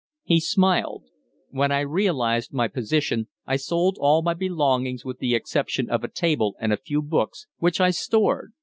He smiled. "When I realized my position I sold all my belongings with the exception of a table and a few books which I stored.